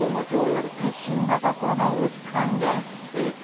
きょうも上位は新型コロナウイルス関連。